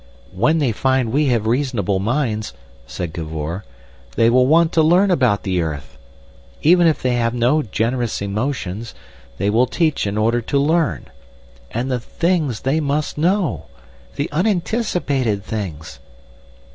"When they find we have reasonable minds," said Cavor, "they will want to learn about the earth. Even if they have no generous emotions, they will teach in order to learn.... And the things they must know! The unanticipated things!"